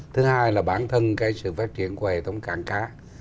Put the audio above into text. thứ hai là bản thân cái sự phát triển của hệ thống cảng cá